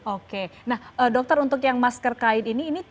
oke nah dokter untuk yang masker kain ini